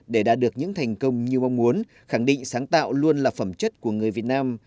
để đạt được những thành công như mong muốn khẳng định sáng tạo luôn là phẩm chất của người việt nam